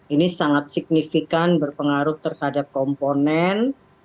ini sangat signifikan berpengaruh terhadap komponen